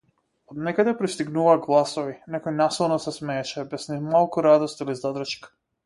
Од некаде пристигнуваа гласови, некој насилно се смееше, без ни малку радост или задршка.